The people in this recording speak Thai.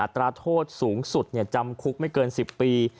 ตราโทษสูงสุดจำคุกไม่เกิน๑๐ปี